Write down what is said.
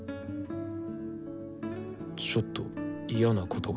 ちょっと嫌なことがあって。